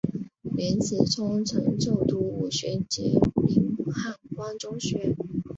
林子聪曾就读五旬节林汉光中学。